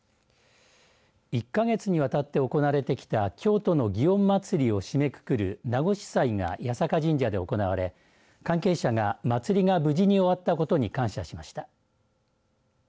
１か月にわたって行われてきた京都の祇園祭を締めくくる夏越祭が八坂神社で行われ関係者が祭りが無事に終わったことに感謝しました。